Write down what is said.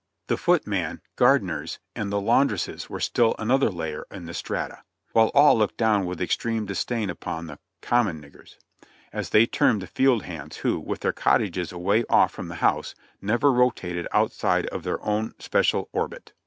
The footman, gardeners and the laundresses were still another layer in the strata; while all looked down with extreme disdain upon the "common niggers," as they termed the field hands, who, with their cottages away off from the house, never rotated outside of their own especial orbit.